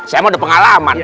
saya mau ada pengalaman